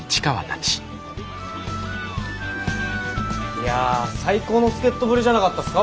いや最高の助っ人ぶりじゃなかったっすか